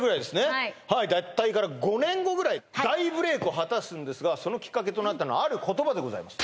はいはい脱退から５年後ぐらい大ブレイクを果たすんですがそのきっかけとなったのはある言葉でございます